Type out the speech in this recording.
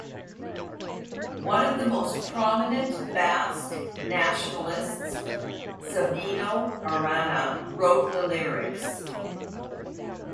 One of the most prominent Basque nationalists, Sabino Arana, wrote the lyrics.